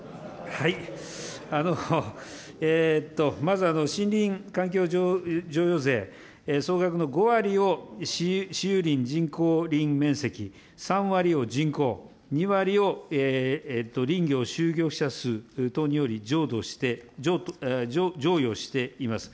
まず、森林環境譲与税、総額の５割を私有林人工林面積、３割を人工、２割を林業就業者数等によりじょうどして、譲与しています。